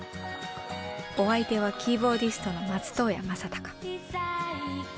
お相手はキーボーディストの松任谷正隆。